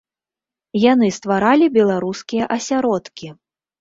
Яны стваралі беларускія асяродкі.